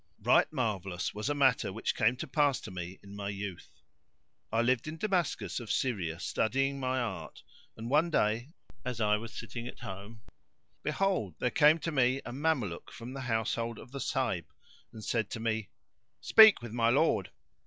Right marvellous was a matter which came to pass to me in my youth. I lived in Damascus of Syria studying my art and, one day, as I was sitting at home behold, there came to me a Mameluke from the household of the Sahib and said to me, "Speak with my lord!"